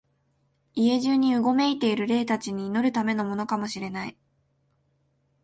家中にうごめいている霊たちに祈るためのものかも知れない、